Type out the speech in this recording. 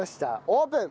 オープン。